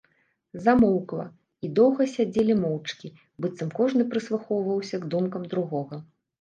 Замоўкла, і доўга сядзелі моўчкі, быццам кожны прыслухоўваўся к думкам другога.